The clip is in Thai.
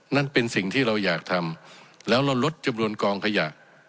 นั่นเป็นสิ่งที่เราอยากทำแล้วเราลดจำนวนกองขยะ